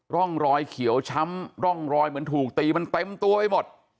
ร่องรอยเขียวช้ำร่องรอยเหมือนถูกตีมันเต็มตัวไปหมด